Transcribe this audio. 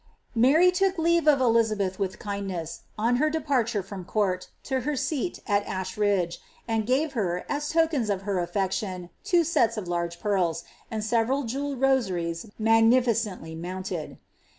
Mary look leave of Elizabeth with kmdni»s, on her departure from court, to her seat at Aabridge, and gave ber. as lukeiis of her aflecuon, two acts of large pearls,' and severul jewelled rosariea magiiiticently mounted.